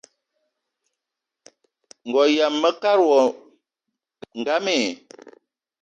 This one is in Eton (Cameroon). Ngo yama mekad wo ngam i?